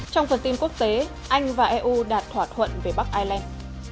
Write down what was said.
trong phần tin quốc tế anh và eu đạt thỏa thuận về bắc ireland